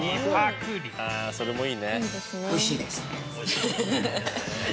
ああそれもいいね。